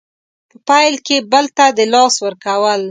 په پیل کې بل ته د لاس ورکول